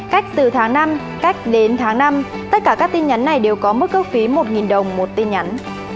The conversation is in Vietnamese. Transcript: cách từ tháng năm cách đến tháng năm tất cả các tin nhắn này đều có mức cước phí một đồng một tin nhắn